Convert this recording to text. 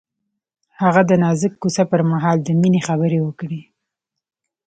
هغه د نازک کوڅه پر مهال د مینې خبرې وکړې.